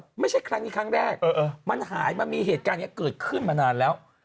ไม่ใช่ครั้งนี้ครั้งแรกมันหายมันมีเหตุการณ์นี้เกิดขึ้นมานานแล้ว